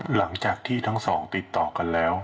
หลังจากที่ทั้งสองติดต่อกันแล้ว